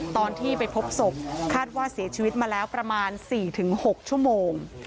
ตอนที่ไปพบศพคาดว่าเสียชีวิตมาแล้วประมาณ๔๖ชั่วโมง